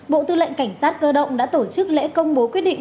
bộ tư lệnh cảnh sát cơ động đã tổ chức lễ công bố quyết định